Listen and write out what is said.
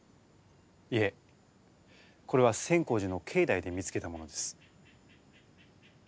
いえこれは千光寺の境内で見つけたものです。